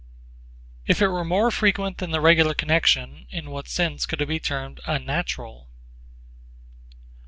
If it were more frequent than the regular connection in what sense could it be termed unnatural?